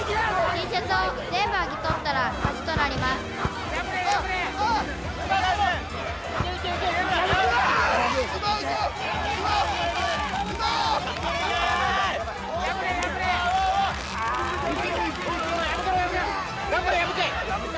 Ｔシャツを全部はぎ取ったら勝ちとなりますあっあーっ・破けろ破けろ！